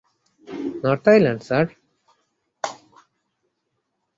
North island, sir?